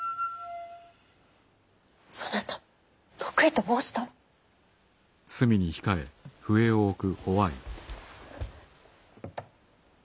そなた得意と申したろう！